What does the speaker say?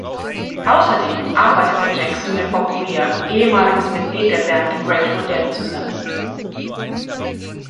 Außerdem arbeitete Jackson mit Bob Weir, ehemaliges Mitglied der Band Grateful Dead zusammen.